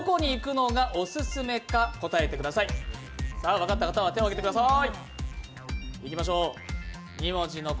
分かった方は手を挙げてください。